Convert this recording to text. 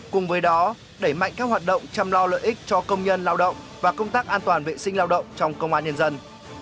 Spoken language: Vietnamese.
cùng với đó đẩy mạnh các hoạt động chăm lo lợi ích cho công nhân lao động và công tác an toàn vệ sinh lao động trong công an nhân dân